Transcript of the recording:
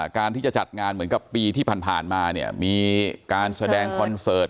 การที่จะจัดงานเหมือนกับปีที่ผ่านมาเนี่ยมีการแสดงคอนเสิร์ต